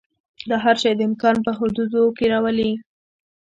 دا هر شی د امکان په حدودو کې راولي.